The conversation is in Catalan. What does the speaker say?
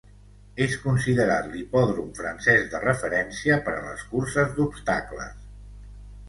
És considerat l'hipòdrom francès de referència per a les curses d'obstacles.